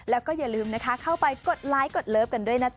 แล้วก็อย่าลืมนะคะเข้าไปกดไลค์กดเลิฟกันด้วยนะจ๊